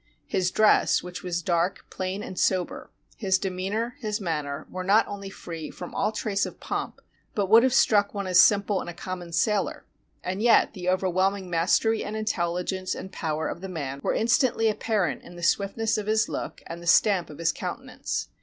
His dress, — which was dark, plain, and sober, — his demeanor, his manner, were not only free from all trace of pomp, but would have struck one as simple in a common sailor. And yet the over whelming mastery and intelUgence and power of the man were instantly apparent in the swiftness of his look and the stamp of his countenance.